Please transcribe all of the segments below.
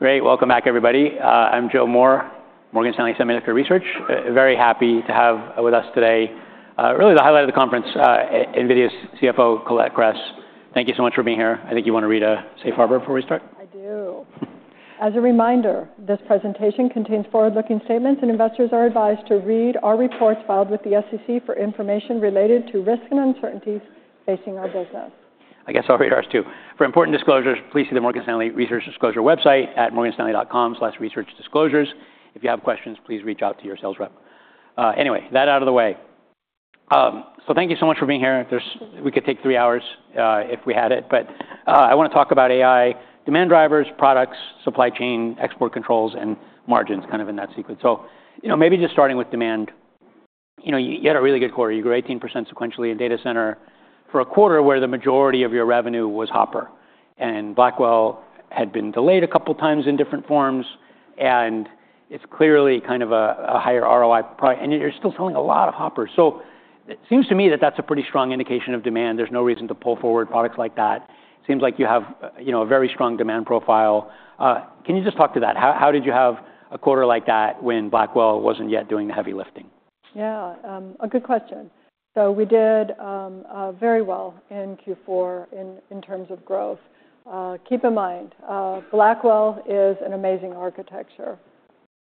Great. Welcome back, everybody. I'm Joe Moore, Morgan Stanley Semiconductor Research. Very happy to have with us today, really, the highlight of the conference, NVIDIA's CFO, Colette Kress. Thank you so much for being here. I think you want to read a safe harbor before we start? I do. As a reminder, this presentation contains forward-looking statements, and investors are advised to read our reports filed with the SEC for information related to risk and uncertainties facing our business. I guess I'll read ours too. For important disclosures, please see the Morgan Stanley Research Disclosure website at morganstanley.com/researchdisclosures. If you have questions, please reach out to your sales rep. Anyway, that out of the way. So thank you so much for being here. We could take three hours if we had it. But I want to talk about AI, demand drivers, products, supply chain, export controls, and margins, kind of in that sequence. So maybe just starting with demand. You had a really good quarter. You grew 18% sequentially in data center for a quarter where the majority of your revenue was Hopper. And Blackwell had been delayed a couple of times in different forms. And it's clearly kind of a higher ROI, and you're still selling a lot of Hoppers. So it seems to me that that's a pretty strong indication of demand. There's no reason to pull forward products like that. It seems like you have a very strong demand profile. Can you just talk to that? How did you have a quarter like that when Blackwell wasn't yet doing the heavy lifting? Yeah. A good question. So we did very well in Q4 in terms of growth. Keep in mind, Blackwell is an amazing architecture.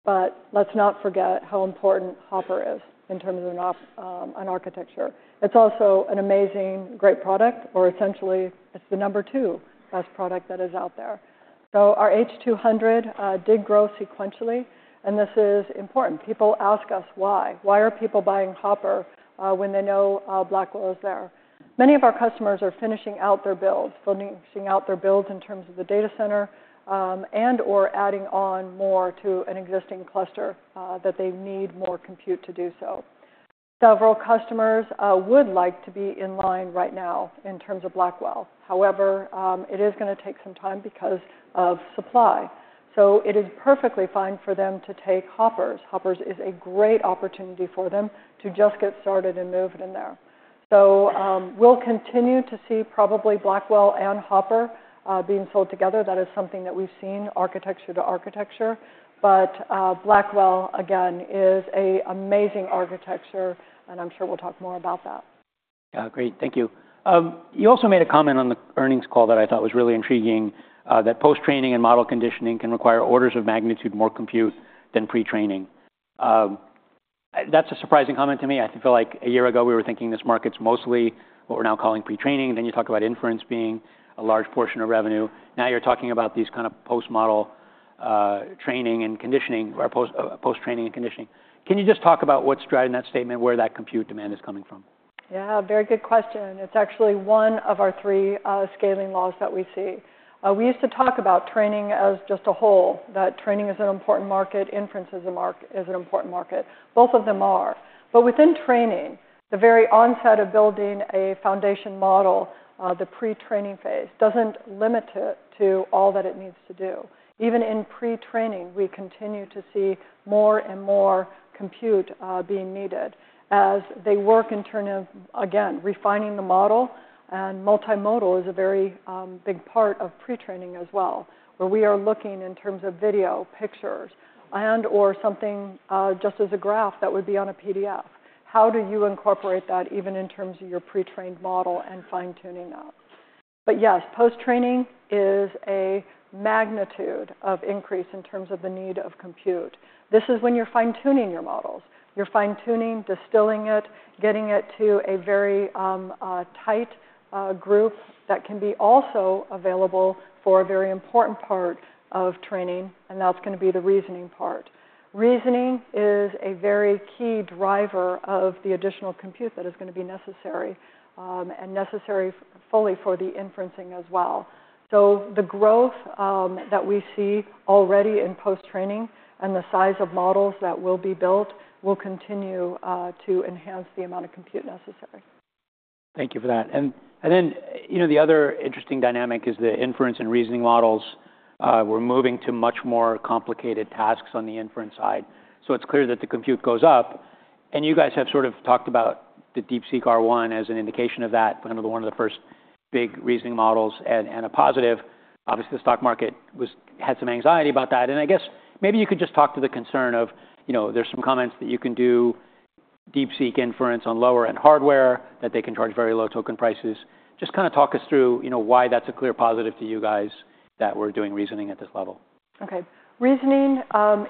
But let's not forget how important Hopper is in terms of an architecture. It's also an amazing, great product, or essentially, it's the number two best product that is out there. So our H200 did grow sequentially. And this is important. People ask us, why? Why are people buying Hopper when they know Blackwell is there? Many of our customers are finishing out their builds, finishing out their builds in terms of the data center and/or adding on more to an existing cluster that they need more compute to do so. Several customers would like to be in line right now in terms of Blackwell. However, it is going to take some time because of supply. So it is perfectly fine for them to take Hoppers. Hoppers is a great opportunity for them to just get started and move in there, so we'll continue to see probably Blackwell and Hopper being sold together. That is something that we've seen architecture to architecture, but Blackwell, again, is an amazing architecture, and I'm sure we'll talk more about that. Yeah. Great. Thank you. You also made a comment on the earnings call that I thought was really intriguing, that post-training and model conditioning can require orders of magnitude more compute than pre-training. That's a surprising comment to me. I feel like a year ago, we were thinking this market's mostly what we're now calling pre-training. Then you talk about inference being a large portion of revenue. Now you're talking about these kind of post-model training and conditioning or post-training and conditioning. Can you just talk about what's driving that statement, where that compute demand is coming from? Yeah. Very good question. It's actually one of our three scaling laws that we see. We used to talk about training as just a whole, that training is an important market, inference is an important market. Both of them are. But within training, the very onset of building a foundation model, the pre-training phase doesn't limit it to all that it needs to do. Even in pre-training, we continue to see more and more compute being needed as they work in terms of, again, refining the model. And multimodal is a very big part of pre-training as well, where we are looking in terms of video, pictures, and/or something just as a graph that would be on a PDF. How do you incorporate that even in terms of your pre-trained model and fine-tuning that? But yes, post-training is a magnitude of increase in terms of the need of compute. This is when you're fine-tuning your models. You're fine-tuning, distilling it, getting it to a very tight group that can be also available for a very important part of training, and that's going to be the reasoning part. Reasoning is a very key driver of the additional compute that is going to be necessary and necessary fully for the inferencing as well, so the growth that we see already in post-training and the size of models that will be built will continue to enhance the amount of compute necessary. Thank you for that. And then the other interesting dynamic is the inference and reasoning models. We're moving to much more complicated tasks on the inference side. So it's clear that the compute goes up. And you guys have sort of talked about the DeepSeek R1 as an indication of that, one of the first big reasoning models and a positive. Obviously, the stock market had some anxiety about that. And I guess maybe you could just talk to the concern of there's some comments that you can do DeepSeek inference on lower-end hardware that they can charge very low token prices. Just kind of talk us through why that's a clear positive to you guys that we're doing reasoning at this level. Okay. Reasoning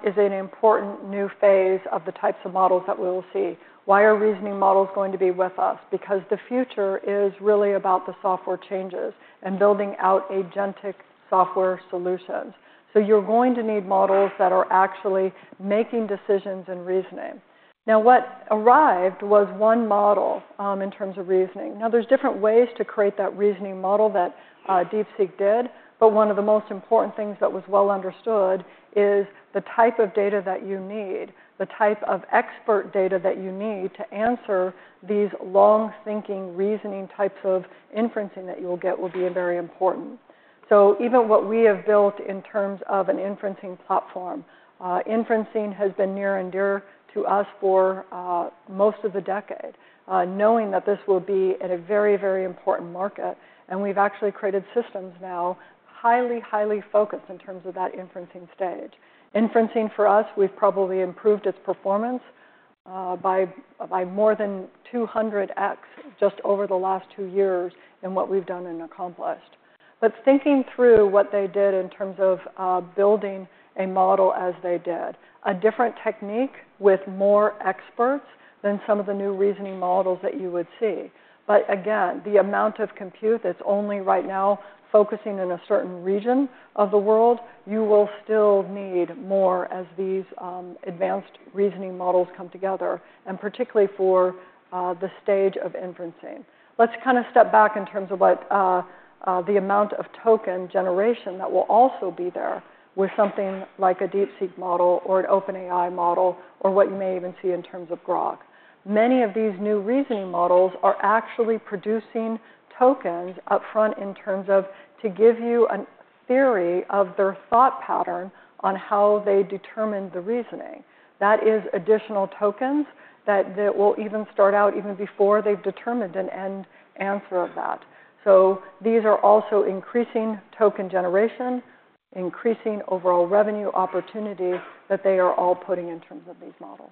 is an important new phase of the types of models that we will see. Why are reasoning models going to be with us? Because the future is really about the software changes and building out agentic software solutions, so you're going to need models that are actually making decisions in reasoning. Now, what arrived was one model in terms of reasoning. Now, there's different ways to create that reasoning model that DeepSeek did. But one of the most important things that was well understood is the type of data that you need, the type of expert data that you need to answer these long-thinking, reasoning types of inference that you will get will be very important. Even what we have built in terms of an inferencing platform, inferencing has been near and dear to us for most of the decade, knowing that this will be at a very, very important market. And we've actually created systems now highly, highly focused in terms of that inferencing stage. Inferencing, for us, we've probably improved its performance by more than 200x just over the last two years in what we've done and accomplished. But thinking through what they did in terms of building a model as they did, a different technique with more experts than some of the new reasoning models that you would see. But again, the amount of compute that's only right now focusing in a certain region of the world, you will still need more as these advanced reasoning models come together, and particularly for the stage of inferencing. Let's kind of step back in terms of the amount of token generation that will also be there with something like a DeepSeek model or an OpenAI model or what you may even see in terms of Grok. Many of these new reasoning models are actually producing tokens upfront in terms of to give you a theory of their thought pattern on how they determine the reasoning. That is additional tokens that will even start out even before they've determined an end answer of that. So these are also increasing token generation, increasing overall revenue opportunity that they are all putting in terms of these models.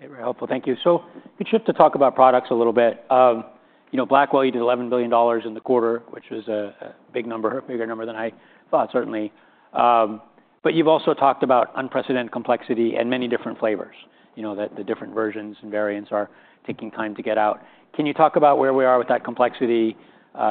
Very helpful. Thank you. So we should talk about products a little bit. Blackwell, you did $11 billion in the quarter, which was a big number, a bigger number than I thought, certainly. But you've also talked about unprecedented complexity and many different flavors, that the different versions and variants are taking time to get out. Can you talk about where we are with that complexity,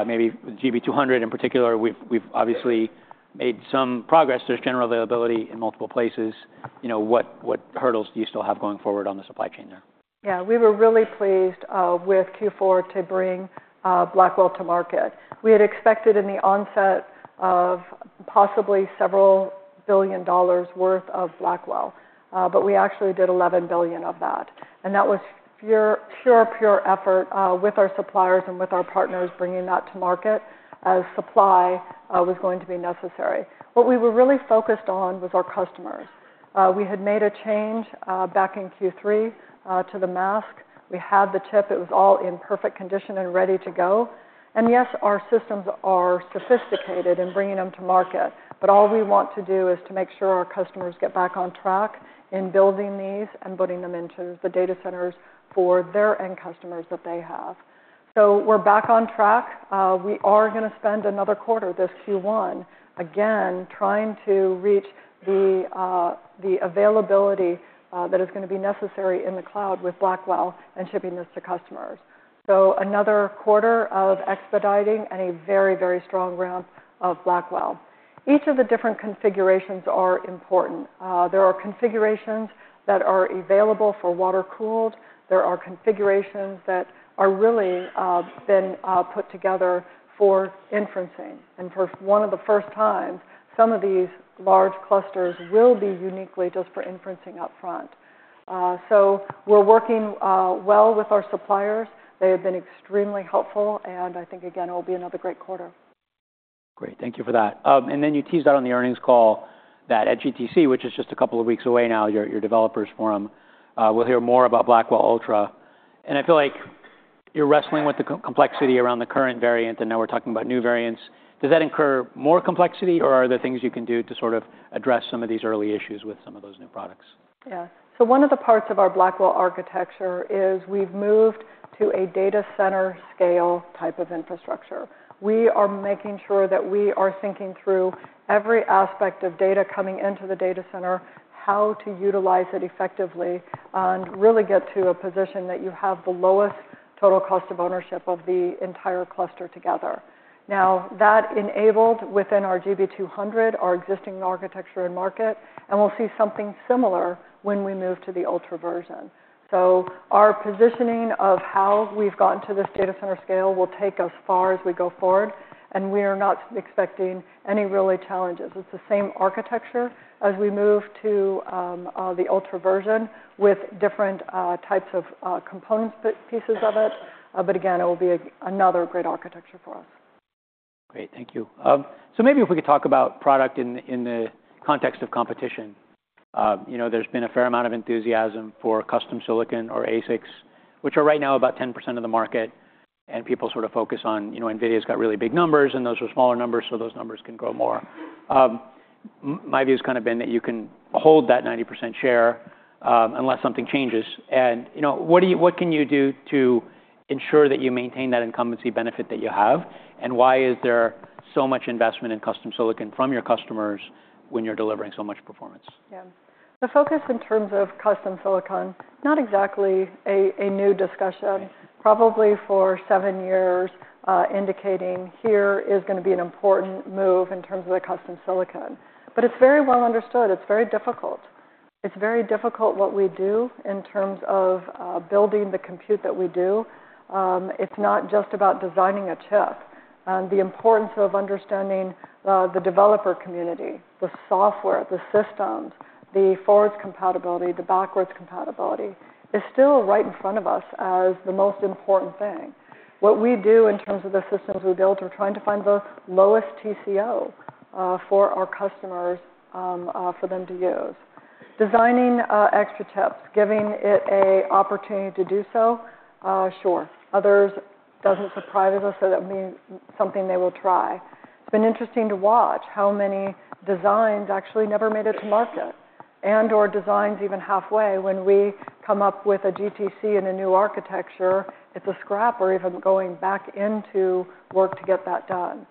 maybe with GB200 in particular? We've obviously made some progress. There's general availability in multiple places. What hurdles do you still have going forward on the supply chain there? Yeah. We were really pleased with Q4 to bring Blackwell to market. We had expected in the onset of possibly several billion dollars' worth of Blackwell. But we actually did $11 billion of that. And that was pure, pure effort with our suppliers and with our partners bringing that to market as supply was going to be necessary. What we were really focused on was our customers. We had made a change back in Q3 to the mask. We had the chip. It was all in perfect condition and ready to go. And yes, our systems are sophisticated in bringing them to market. But all we want to do is to make sure our customers get back on track in building these and putting them into the data centers for their end customers that they have. So we're back on track. We are going to spend another quarter this Q1, again, trying to reach the availability that is going to be necessary in the cloud with Blackwell and shipping this to customers. So another quarter of expediting and a very, very strong ramp of Blackwell. Each of the different configurations are important. There are configurations that are available for water-cooled. There are configurations that are really being put together for inferencing. And for one of the first times, some of these large clusters will be uniquely just for inferencing upfront. So we're working well with our suppliers. They have been extremely helpful. And I think, again, it will be another great quarter. Great. Thank you for that. And then you teased out on the earnings call that at GTC, which is just a couple of weeks away now, your developers' forum, we'll hear more about Blackwell Ultra. And I feel like you're wrestling with the complexity around the current variant. And now we're talking about new variants. Does that incur more complexity, or are there things you can do to sort of address some of these early issues with some of those new products? Yeah. So one of the parts of our Blackwell architecture is we've moved to a data center scale type of infrastructure. We are making sure that we are thinking through every aspect of data coming into the data center, how to utilize it effectively, and really get to a position that you have the lowest total cost of ownership of the entire cluster together. Now, that enablement within our GB200, our existing architecture and market. And we'll see something similar when we move to the Ultra version. So our positioning of how we've gotten to this data center scale will take us far as we go forward. And we are not expecting any real challenges. It's the same architecture as we move to the Ultra version with different types of components, pieces of it. But again, it will be another great architecture for us. Great. Thank you. So maybe if we could talk about product in the context of competition. There's been a fair amount of enthusiasm for custom silicon or ASICs, which are right now about 10% of the market. And people sort of focus on NVIDIA's got really big numbers. And those are smaller numbers, so those numbers can grow more. My view has kind of been that you can hold that 90% share unless something changes. And what can you do to ensure that you maintain that incumbency benefit that you have? And why is there so much investment in custom silicon from your customers when you're delivering so much performance? Yeah. The focus in terms of custom silicon, not exactly a new discussion, probably for seven years indicating here is going to be an important move in terms of the custom silicon. But it's very well understood. It's very difficult. It's very difficult what we do in terms of building the compute that we do. It's not just about designing a chip. And the importance of understanding the developer community, the software, the systems, the forward compatibility, the backward compatibility is still right in front of us as the most important thing. What we do in terms of the systems we build, we're trying to find the lowest TCO for our customers for them to use. Designing extra chips, giving it an opportunity to do so, sure. Others, it doesn't surprise us that it will be something they will try. It's been interesting to watch how many designs actually never made it to market and/or designs even halfway. When we come up with a GTC and a new architecture, it's a scrapper even going back into work to get that done.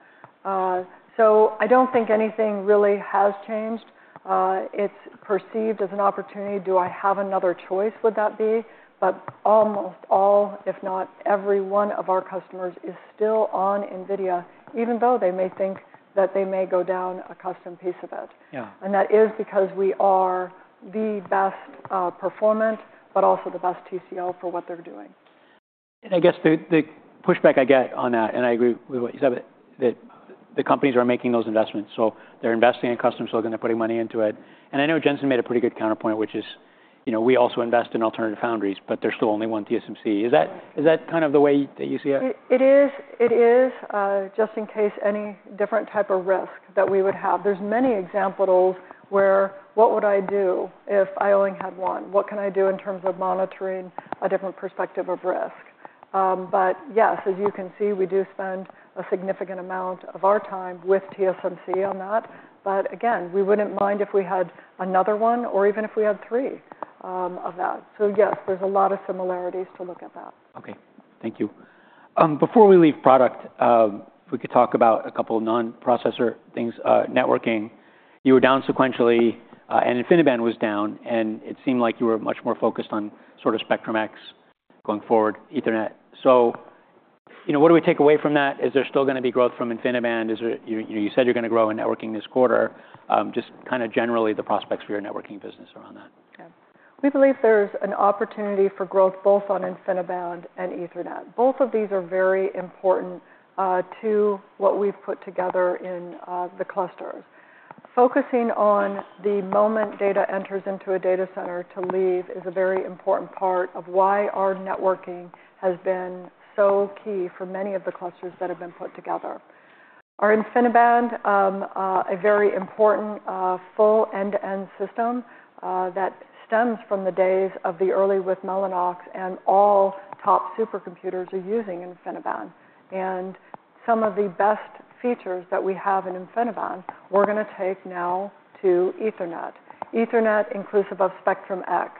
So I don't think anything really has changed. It's perceived as an opportunity. Do I have another choice? Would that be? But almost all, if not every one of our customers is still on NVIDIA, even though they may think that they may go down a custom piece of it. And that is because we are the best performant, but also the best TCO for what they're doing. I guess the pushback I get on that, and I agree with what you said, that the companies are making those investments. They're investing in custom silicon. They're putting money into it. I know Jensen made a pretty good counterpoint, which is we also invest in alternative foundries, but they're still only one TSMC. Is that kind of the way that you see it? It is. It is, just in case any different type of risk that we would have. There's many examples where, what would I do if I only had one? What can I do in terms of monitoring a different perspective of risk? But yes, as you can see, we do spend a significant amount of our time with TSMC on that. But again, we wouldn't mind if we had another one or even if we had three of that. So yes, there's a lot of similarities to look at that. Okay. Thank you. Before we leave product, if we could talk about a couple of non-processor things, networking. You were down sequentially, and InfiniBand was down. And it seemed like you were much more focused on sort of Spectrum-X going forward, Ethernet. So what do we take away from that? Is there still going to be growth from InfiniBand? You said you're going to grow in networking this quarter. Just kind of generally the prospects for your networking business around that. We believe there's an opportunity for growth both on InfiniBand and Ethernet. Both of these are very important to what we've put together in the clusters. Focusing on the moment data enters into a data center to leave is a very important part of why our networking has been so key for many of the clusters that have been put together. Our InfiniBand, a very important full end-to-end system that stems from the early days with Mellanox, and all top supercomputers are using InfiniBand, and some of the best features that we have in InfiniBand, we're going to take now to Ethernet. Ethernet inclusive of Spectrum-X.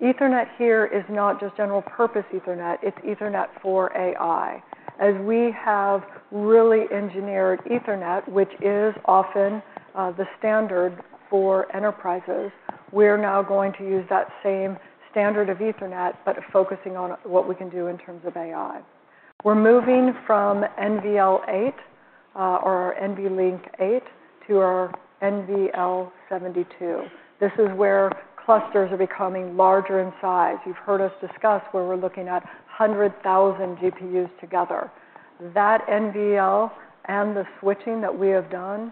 Ethernet here is not just general-purpose Ethernet. It's Ethernet for AI. As we have really engineered Ethernet, which is often the standard for enterprises, we're now going to use that same standard of Ethernet, but focusing on what we can do in terms of AI. We're moving from NVL8 or our NVLink 8 to our NVL72. This is where clusters are becoming larger in size. You've heard us discuss where we're looking at 100,000 GPUs together. That NVL and the switching that we have done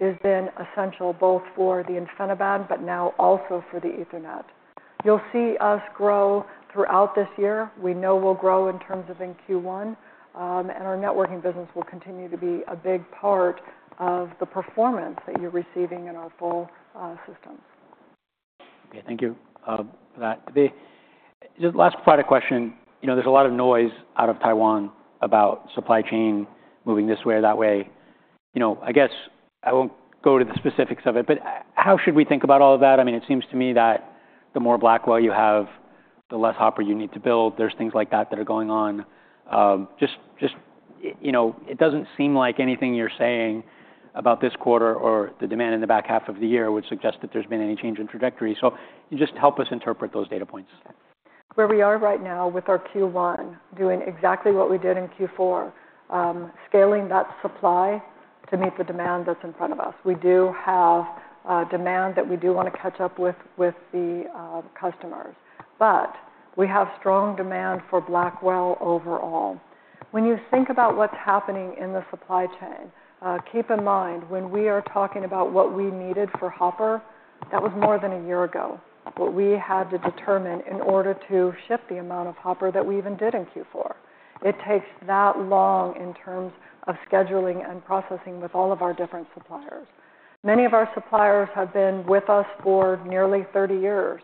is then essential both for the InfiniBand, but now also for the Ethernet. You'll see us grow throughout this year. We know we'll grow in terms of in Q1. And our networking business will continue to be a big part of the performance that you're receiving in our full systems. Okay. Thank you for that. Just last quiet question. There's a lot of noise out of Taiwan about supply chain moving this way or that way. I guess I won't go to the specifics of it. But how should we think about all of that? I mean, it seems to me that the more Blackwell you have, the less Hopper you need to build. There's things like that that are going on. It doesn't seem like anything you're saying about this quarter or the demand in the back half of the year would suggest that there's been any change in trajectory. So just help us interpret those data points. Where we are right now with our Q1, doing exactly what we did in Q4, scaling that supply to meet the demand that's in front of us. We do have demand that we do want to catch up with the customers. But we have strong demand for Blackwell overall. When you think about what's happening in the supply chain, keep in mind when we are talking about what we needed for Hopper, that was more than a year ago what we had to determine in order to ship the amount of Hopper that we even did in Q4. It takes that long in terms of scheduling and processing with all of our different suppliers. Many of our suppliers have been with us for nearly 30 years.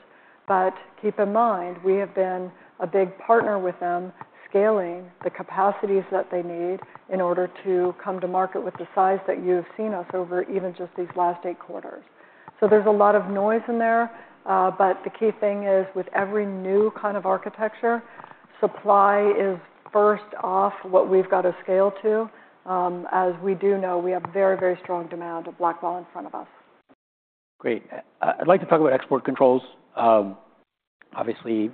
But keep in mind, we have been a big partner with them scaling the capacities that they need in order to come to market with the size that you've seen us over even just these last eight quarters. So there's a lot of noise in there. But the key thing is with every new kind of architecture, supply is first off what we've got to scale to. As we do know, we have very, very strong demand of Blackwell in front of us. Great. I'd like to talk about export controls. Obviously,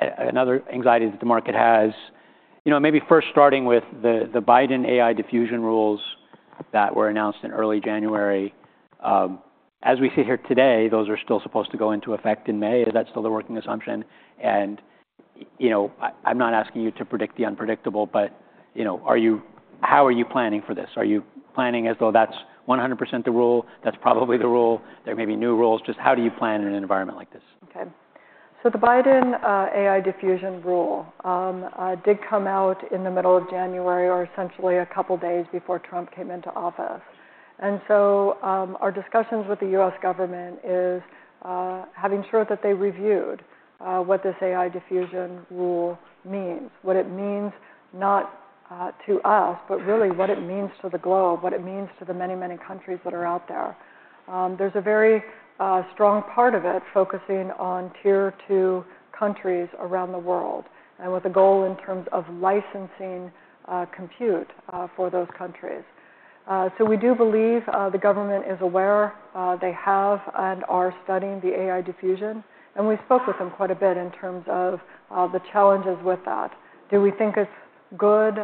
another anxiety that the market has, maybe first starting with the Biden AI diversion rules that were announced in early January. As we sit here today, those are still supposed to go into effect in May. Is that still the working assumption? And I'm not asking you to predict the unpredictable. But how are you planning for this? Are you planning as though that's 100% the rule? That's probably the rule. There may be new rules. Just how do you plan in an environment like this? Okay. So the Biden AI diffusion rule did come out in the middle of January or essentially a couple of days before Trump came into office. And so our discussions with the U.S. government is having sure that they reviewed what this AI diffusion rule means, what it means not to us, but really what it means to the globe, what it means to the many, many countries that are out there. There's a very strong part of it focusing on tier two countries around the world and with a goal in terms of licensing compute for those countries. So we do believe the government is aware. They have and are studying the AI diffusion. And we spoke with them quite a bit in terms of the challenges with that. Do we think it's good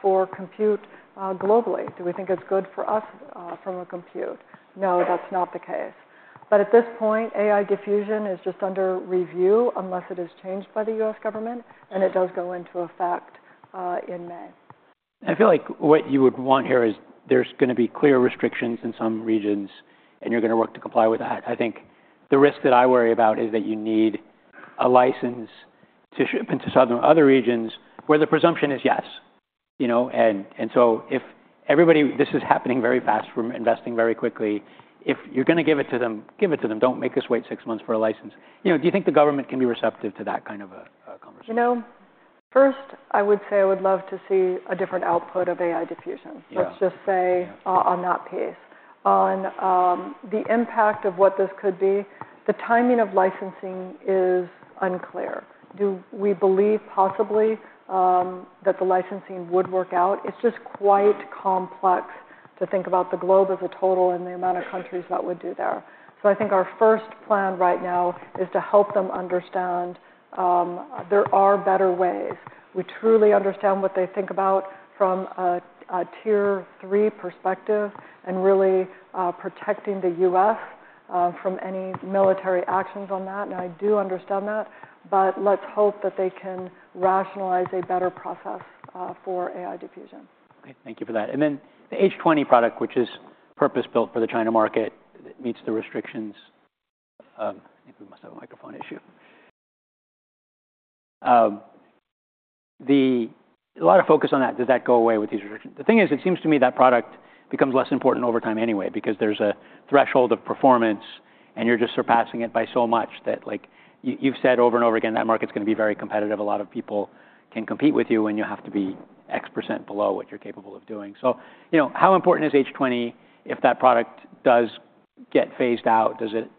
for compute globally? Do we think it's good for us from a compute? No, that's not the case. But at this point, AI diffusion is just under review unless it is changed by the U.S. government. And it does go into effect in May. I feel like what you would want here is there's going to be clear restrictions in some regions, and you're going to work to comply with that. I think the risk that I worry about is that you need a license to ship into some other regions where the presumption is yes, and so if everybody, this is happening very fast, we're investing very quickly. If you're going to give it to them, give it to them. Don't make us wait six months for a license. Do you think the government can be receptive to that kind of a conversation? You know, first, I would say I would love to see a different output of AI diffusion. Let's just say on that piece. On the impact of what this could be, the timing of licensing is unclear. Do we believe possibly that the licensing would work out? It's just quite complex to think about the globe as a total and the amount of countries that would do there. So I think our first plan right now is to help them understand there are better ways. We truly understand what they think about from a tier three perspective and really protecting the U.S. from any military actions on that. And I do understand that. But let's hope that they can rationalize a better process for AI diffusion. Thank you for that, and then the H20 product, which is purpose-built for the China market, meets the restrictions. I think we must have a microphone issue. A lot of focus on that. Does that go away with these restrictions? The thing is, it seems to me that product becomes less important over time anyway because there's a threshold of performance, and you're just surpassing it by so much that you've said over and over again that market's going to be very competitive. A lot of people can compete with you, and you have to be X% below what you're capable of doing, so how important is H20 if that product does get phased out? Does it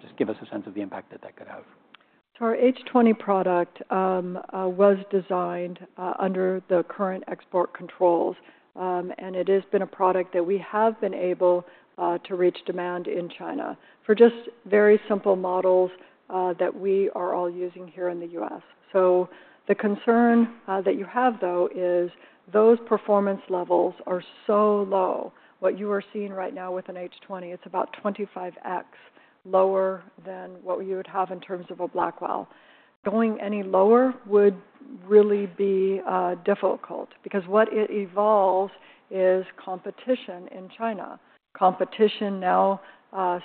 just give us a sense of the impact that that could have? Our H20 product was designed under the current export controls, and it has been a product that we have been able to reach demand in China for just very simple models that we are all using here in the U.S., so the concern that you have, though, is those performance levels are so low. What you are seeing right now with an H20, it's about 25x lower than what you would have in terms of a Blackwell. Going any lower would really be difficult because what it involves is competition in China. Competition now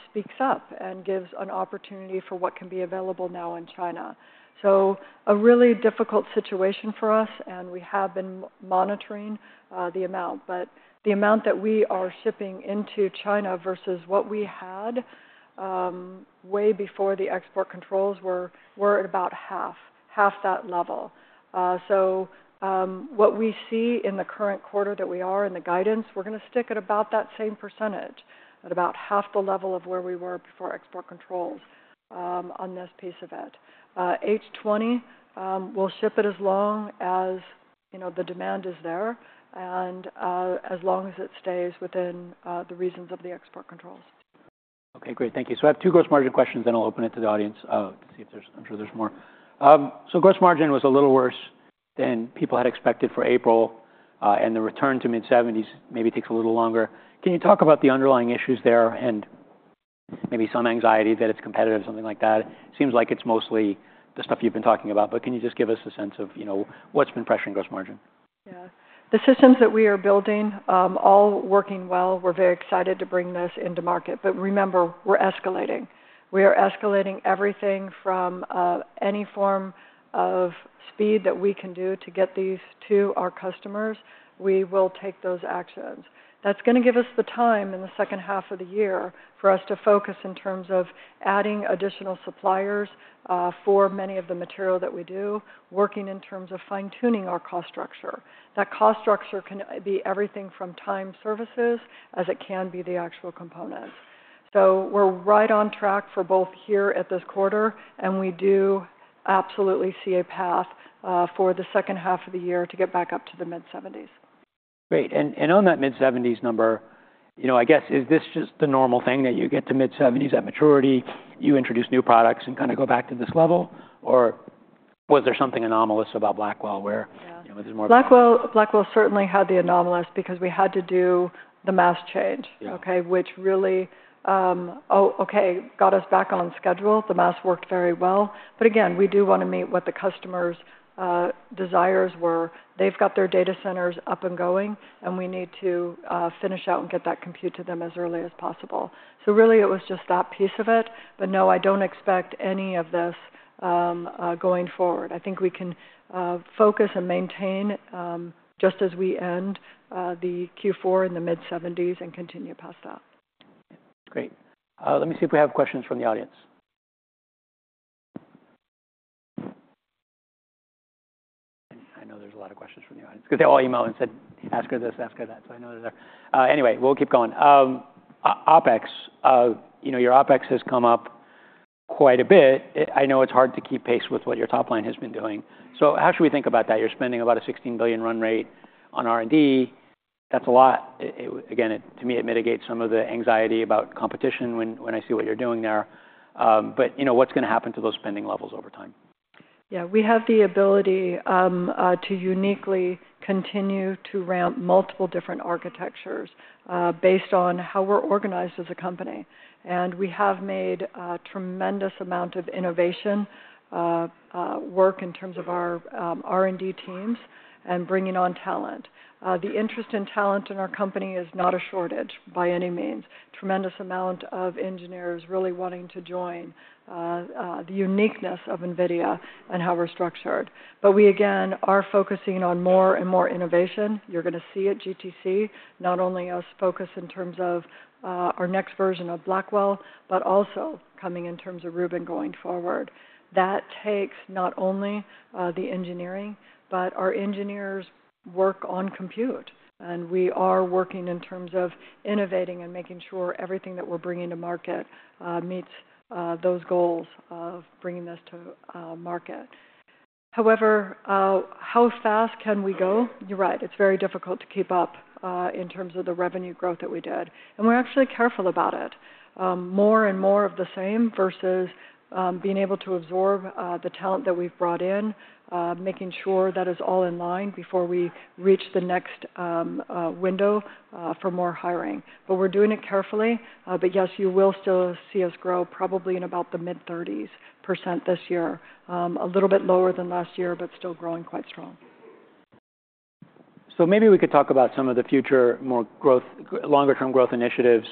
speaks up and gives an opportunity for what can be available now in China, so a really difficult situation for us, and we have been monitoring the amount, but the amount that we are shipping into China versus what we had way before the export controls were at about half, half that level. So what we see in the current quarter that we are in the guidance, we're going to stick at about that same percentage, at about half the level of where we were before export controls on this piece of it. H20, we'll ship it as long as the demand is there and as long as it stays within the reasons of the export controls. Okay. Great. Thank you. So I have two gross margin questions. Then I'll open it to the audience to see if there's—I'm sure there's more. So gross margin was a little worse than people had expected for April. And the return to mid-70s% maybe takes a little longer. Can you talk about the underlying issues there and maybe some anxiety that it's competitive, something like that? It seems like it's mostly the stuff you've been talking about. But can you just give us a sense of what's been pressuring gross margin? Yeah. The systems that we are building are all working well. We're very excited to bring this to market. But remember, we're accelerating. We are accelerating everything in any form or fashion that we can do to get these to our customers. We will take those actions. That's going to give us the time in the second half of the year for us to focus on adding additional suppliers for many of the materials that we use, working on fine-tuning our cost structure. That cost structure can be everything from third-party services, as it can be the actual components. So we're right on track for both here in this quarter, and we do absolutely see a path for the second half of the year to get back up to the mid-70s. Great. And on that mid-70s number, I guess is this just the normal thing that you get to mid-70s at maturity, you introduce new products and kind of go back to this level? Or was there something anomalous about Blackwell where there's more? Blackwell certainly had the anomaly because we had to do the mask change, which really got us back on schedule. The mask worked very well, but again, we do want to meet what the customer's desires were. They've got their data centers up and going, and we need to finish out and get that compute to them as early as possible, so really, it was just that piece of it, but no, I don't expect any of this going forward. I think we can focus and maintain just as we end the Q4 in the mid-70s and continue past that. Great. Let me see if we have questions from the audience. I know there's a lot of questions from the audience because they all emailed and said, ask her this, ask her that. So I know they're there. Anyway, we'll keep going. OpEx, your OpEx has come up quite a bit. I know it's hard to keep pace with what your top line has been doing. So how should we think about that? You're spending about a $16 billion run rate on R&D. That's a lot. Again, to me, it mitigates some of the anxiety about competition when I see what you're doing there. But what's going to happen to those spending levels over time? Yeah. We have the ability to uniquely continue to ramp multiple different architectures based on how we're organized as a company, and we have made a tremendous amount of innovation work in terms of our R&D teams and bringing on talent. The interest in talent in our company is not a shortage by any means. Tremendous amount of engineers really wanting to join the uniqueness of NVIDIA and how we're structured, but we, again, are focusing on more and more innovation. You're going to see at GTC not only us focus in terms of our next version of Blackwell, but also coming in terms of Rubin going forward. That takes not only the engineering, but our engineers work on compute, and we are working in terms of innovating and making sure everything that we're bringing to market meets those goals of bringing this to market. However, how fast can we go? You're right. It's very difficult to keep up in terms of the revenue growth that we did, and we're actually careful about it. More and more of the same versus being able to absorb the talent that we've brought in, making sure that is all in line before we reach the next window for more hiring, but we're doing it carefully, but yes, you will still see us grow probably in about the mid-30s% this year, a little bit lower than last year, but still growing quite strong. Maybe we could talk about some of the future more growth, longer-term growth initiatives,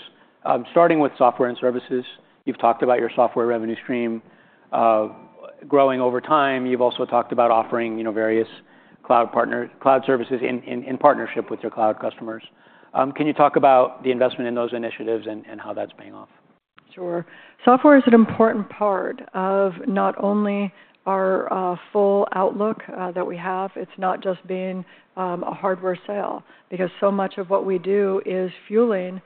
starting with software and services. You've talked about your software revenue stream growing over time. You've also talked about offering various cloud partners, cloud services in partnership with your cloud customers. Can you talk about the investment in those initiatives and how that's paying off? Sure. Software is an important part of not only our full outlook that we have. It's not just being a hardware sale because so much of what we do is fueling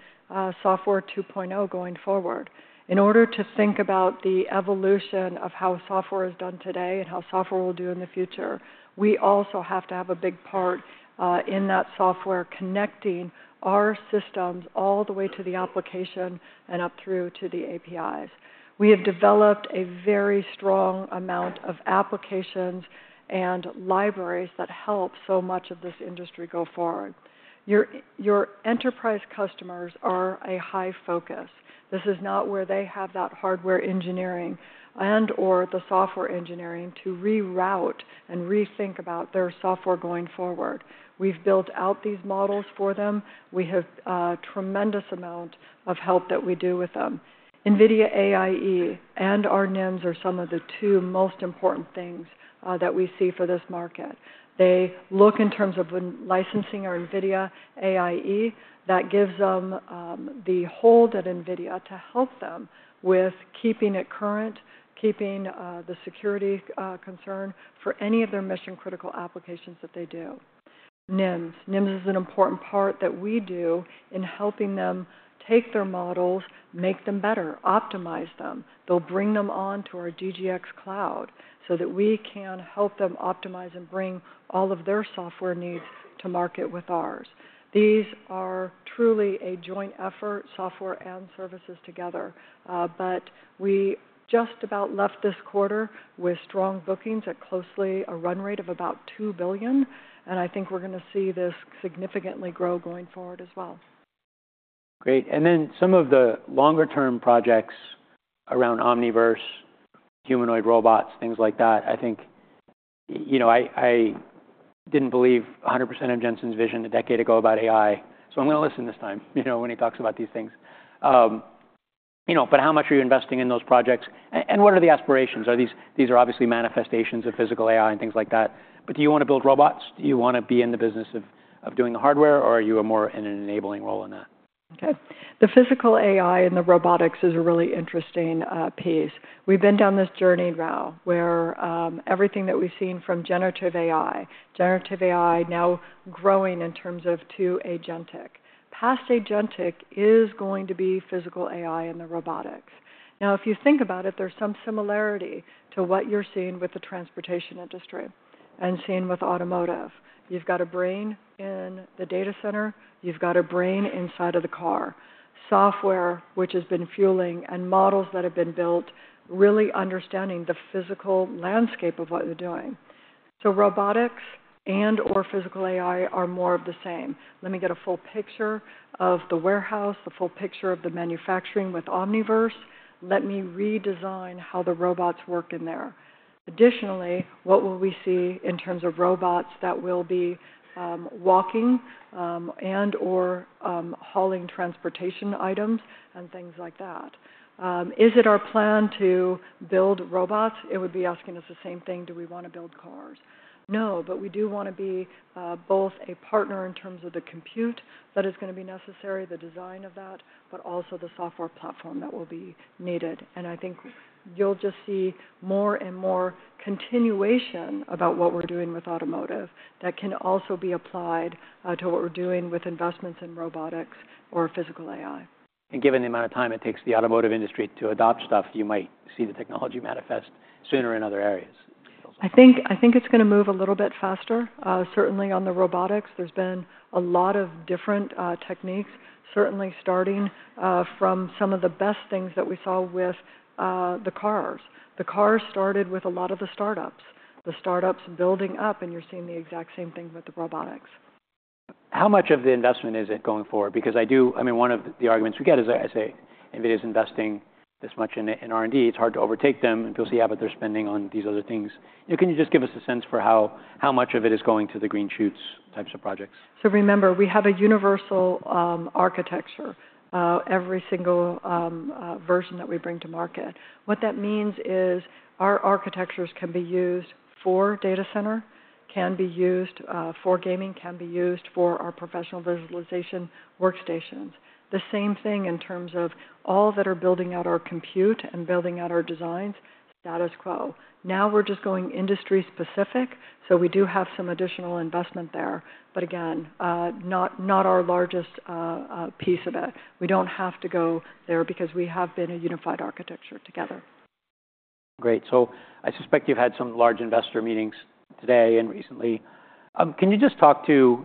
Software 2.0 going forward. In order to think about the evolution of how software is done today and how software will do in the future, we also have to have a big part in that software connecting our systems all the way to the application and up through to the APIs. We have developed a very strong amount of applications and libraries that help so much of this industry go forward. Your enterprise customers are a high focus. This is not where they have that hardware engineering and/or the software engineering to reroute and rethink about their software going forward. We've built out these models for them. We have a tremendous amount of help that we do with them. NVIDIA AI Enterprise and our NIMs are two of the most important things that we see for this market. In terms of licensing our NVIDIA AI Enterprise. That gives them the help at NVIDIA to help them with keeping it current, keeping the security concerns for any of their mission-critical applications that they do NIMs. NIMs is an important part that we do in helping them take their models, make them better, optimize them. They will bring them on to our DGX Cloud so that we can help them optimize and bring all of their software needs to market with ours. These are truly a joint effort, software and services together. We just about closed this quarter with strong bookings at close to a run rate of about $2 billion. I think we are going to see this significantly grow going forward as well. Great, and then some of the longer-term projects around Omniverse, humanoid robots, things like that. I think I didn't believe 100% of Jensen's vision a decade ago about AI, so I'm going to listen this time when he talks about these things. But how much are you investing in those projects? And what are the aspirations? These are obviously manifestations of physical AI and things like that, but do you want to build robots? Do you want to be in the business of doing the hardware, or are you more in an enabling role in that? Okay. The physical AI and the robotics is a really interesting piece. We've been down this journey now where everything that we've seen from generative AI, generative AI now growing in terms of to agentic. Past agentic is going to be physical AI and the robotics. Now, if you think about it, there's some similarity to what you're seeing with the transportation industry and seeing with automotive. You've got a brain in the data center. You've got a brain inside of the car. Software, which has been fueling, and models that have been built, really understanding the physical landscape of what they're doing, so robotics and/or physical AI are more of the same. Let me get a full picture of the warehouse, the full picture of the manufacturing with Omniverse. Let me redesign how the robots work in there. Additionally, what will we see in terms of robots that will be walking and/or hauling transportation items and things like that? Is it our plan to build robots? It would be asking us the same thing. Do we want to build cars? No. But we do want to be both a partner in terms of the compute that is going to be necessary, the design of that, but also the software platform that will be needed. I think you'll just see more and more continuation about what we're doing with automotive that can also be applied to what we're doing with investments in robotics or physical AI. Given the amount of time it takes the automotive industry to adopt stuff, you might see the technology manifest sooner in other areas. I think it's going to move a little bit faster. Certainly, on the robotics, there's been a lot of different techniques, certainly starting from some of the best things that we saw with the cars. The cars started with a lot of the startups, the startups building up, and you're seeing the exact same thing with the robotics. How much of the investment is it going forward? Because I do, I mean, one of the arguments we get is, I say, NVIDIA is investing this much in R&D. It's hard to overtake them. And people say, yeah, but they're spending on these other things. Can you just give us a sense for how much of it is going to the green shoots types of projects? So remember, we have a universal architecture every single version that we bring to market. What that means is our architectures can be used for data center, can be used for gaming, can be used for our professional visualization workstations. The same thing in terms of all that are building out our compute and building out our designs, status quo. Now we're just going industry specific. So we do have some additional investment there. But again, not our largest piece of it. We don't have to go there because we have been a unified architecture together. Great. So I suspect you've had some large investor meetings today and recently. Can you just talk to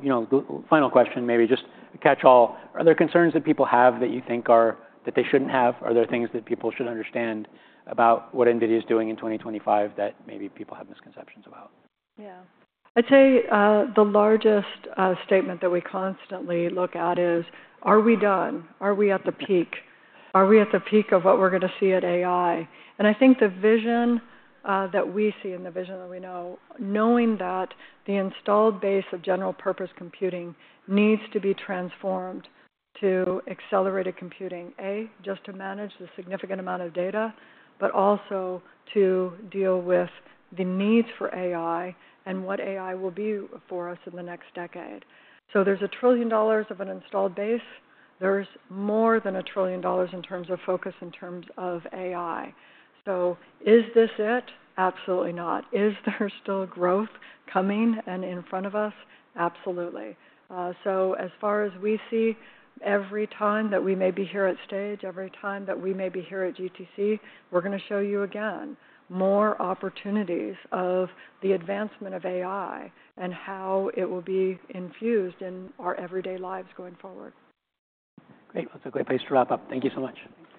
final question, maybe just catch all? Are there concerns that people have that you think are that they shouldn't have? Are there things that people should understand about what NVIDIA is doing in 2025 that maybe people have misconceptions about? Yeah. I'd say the largest statement that we constantly look at is, are we done? Are we at the peak? Are we at the peak of what we're going to see at AI? And I think the vision that we see and the vision that we know, knowing that the installed base of general-purpose computing needs to be transformed to accelerated computing, A, just to manage the significant amount of data, but also to deal with the needs for AI and what AI will be for us in the next decade. So there's $1 trillion of an installed base. There's more than $1 trillion in terms of focus in terms of AI. So is this it? Absolutely not. Is there still growth coming and in front of us? Absolutely. So as far as we see, every time that we may be here at Stage, every time that we may be here at GTC, we're going to show you again more opportunities of the advancement of AI and how it will be infused in our everyday lives going forward. Great. That's a great place to wrap up. Thank you so much.